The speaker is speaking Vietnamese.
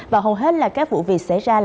và hầu hết là các vụ việc xảy ra